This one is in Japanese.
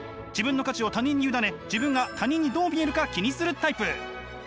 自分の価値を他人に委ね自分が他人にどう見えるか気にするタイプ。